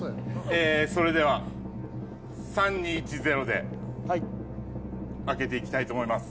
それでは３、２、１、０で開けていきたいと思います。